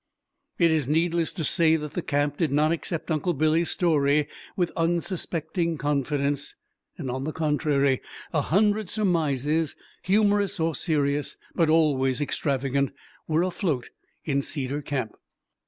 It is needless to say that the camp did not accept Uncle Billy's story with unsuspecting confidence. On the contrary, a hundred surmises, humorous or serious, but always extravagant, were afloat in Cedar Camp.